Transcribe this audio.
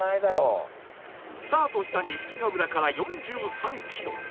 スタートした錦ヶ浦から４３キロ